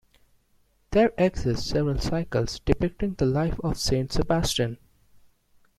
There exist several cycles depicting the life of Saint Sebastian.